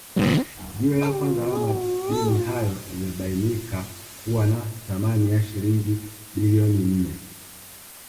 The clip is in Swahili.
Jiwe la kwanza la madini hayo limebainika kuwa na thamani ya shilingi bilioni nne